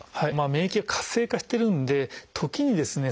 免疫が活性化してるんで時にですね